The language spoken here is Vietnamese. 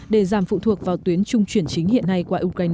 để giảm phụ thuộc vào tuyến trung chuyển chính hiện nay qua ukraine